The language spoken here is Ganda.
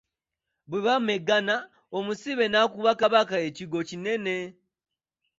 Bwe baameggana, omusibe n'akuba Kabaka ekigwo kinene.